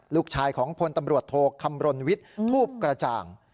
ลูกชายของพลตำรวจโทคำรณวิทย์ทูปกระจ่าง